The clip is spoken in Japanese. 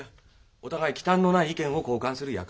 お互い忌憚のない意見を交換する約束じゃ。